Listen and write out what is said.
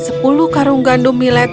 sepuluh karung gandum milet